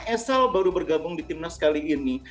esal baru bergabung di tim nas kali ini